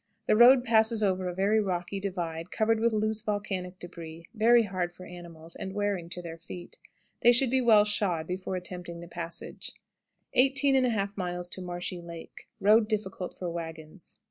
The road passes over a very rocky divide, covered with loose volcanic debris, very hard for animals, and wearing to their feet. They should be well shod before attempting the passage. 18 1/2. Marshy Lake. Road difficult for wagons. 15.